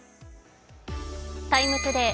「ＴＩＭＥ，ＴＯＤＡＹ」